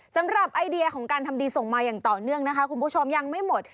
สำหรับไอเดียของการทำดีส่งมาอย่างต่อเนื่องนะคะคุณผู้ชมยังไม่หมด